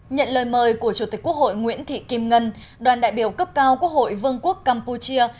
nhận lời mời của chủ tịch quốc hội nguyễn thị kim ngân đoàn đại biểu cấp cao quốc hội vương quốc campuchia